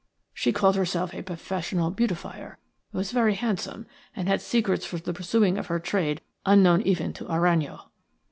She called herself a professional beautifier – was very handsome, and had secrets for the pursuing of her trade unknown even to Aranjo."